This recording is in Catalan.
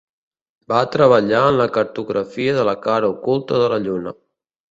Va treballar en la cartografia de la cara oculta de la Lluna.